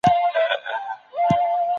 انلاين کورس کي سوالونه ولیکه.